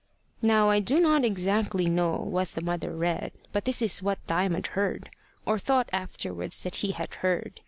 Now I do not exactly know what the mother read, but this is what Diamond heard, or thought afterwards that he had heard.